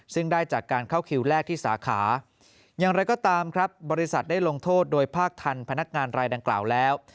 ซึ่งได้จากการเข้าคิวแรกที่สาขาอย่างไรก็ตามครับบริษัทได้ลงโทษโดยภาคทันพนักงานรายดังกล่าวแล้ว